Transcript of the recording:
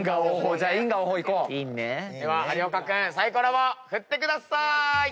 では有岡君サイコロを振ってくださーい。